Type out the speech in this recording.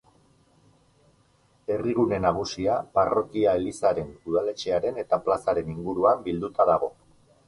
Herrigune nagusia parrokia-elizaren, udaletxearen eta plazaren inguruan bilduta dago.